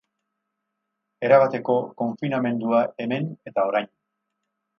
Erabateko konfinamendua hemen eta orain.